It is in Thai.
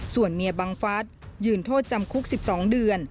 ส่วนเมียบังฟัสยืนโทษจำคุก๑๒เดือน